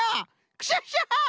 クシャシャシャ！